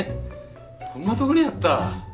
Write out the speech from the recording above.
こんなとこにあった。